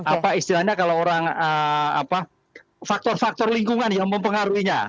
apa istilahnya kalau orang faktor faktor lingkungan yang mempengaruhinya